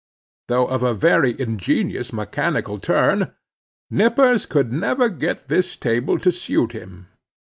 Though of a very ingenious mechanical turn, Nippers could never get this table to suit him.